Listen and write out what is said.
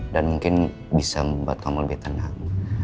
dan mungkin bisa membuat kamu lebih tenang